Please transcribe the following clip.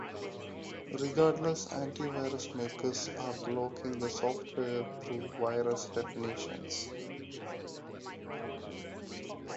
Regardless, anti-virus makers are blocking the software through virus definitions.